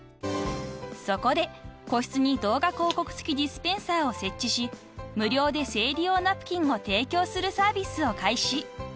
［そこで個室に動画広告付きディスペンサーを設置し無料で生理用ナプキンを提供するサービスを開始］